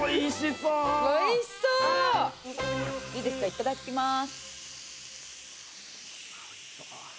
いただきます。